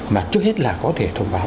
mà trước hết là có thể thông báo